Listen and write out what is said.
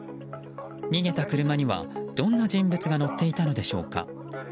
逃げた車には、どんな人物が乗っていたのでしょうか。